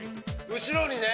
後ろにね